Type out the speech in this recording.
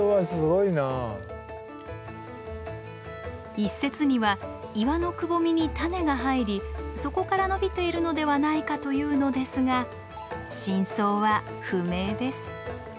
一説には岩のくぼみに種が入りそこから伸びているのではないかというのですが真相は不明です。